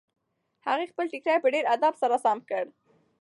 هغې خپل ټیکری په ډېر ادب سره سم کړ.